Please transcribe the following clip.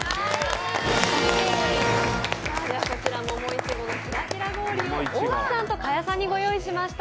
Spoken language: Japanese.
こちら桃苺のキラキラ氷を、大木さんと賀屋さんにご用意しました。